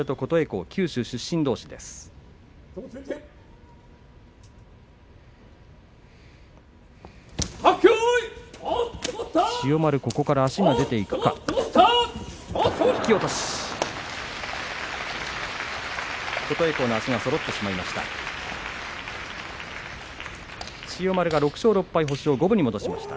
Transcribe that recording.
琴恵光の足がそろってしまいました。